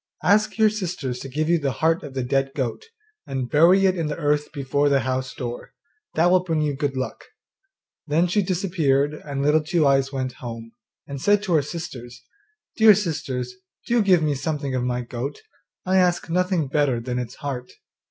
Ask your sisters to give you the heart of the dead goat, and bury it in the earth before the house door; that will bring you good luck.' Then she disappeared, and Little Two eyes went home, and said to her sisters, 'Dear sisters, do give me something of my goat; I ask nothing better than its heart.